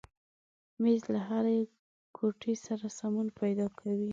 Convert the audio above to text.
مېز له هرې کوټې سره سمون پیدا کوي.